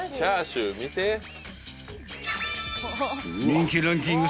［人気ランキング